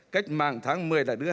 cách mạng tháng một mươi là thứ hai